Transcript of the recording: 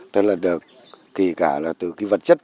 tức là được kể cả là từ cái vật chất